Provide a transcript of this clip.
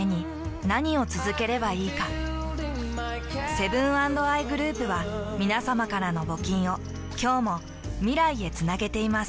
セブン＆アイグループはみなさまからの募金を今日も未来へつなげています。